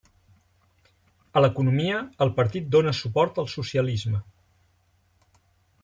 A l'economia, el partit dóna suport al socialisme.